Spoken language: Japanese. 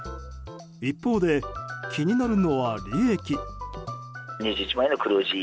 一方で気になるのは利益。